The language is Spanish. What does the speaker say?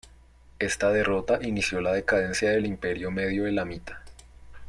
Esta derrota inició la decadencia del Imperio Medio Elamita.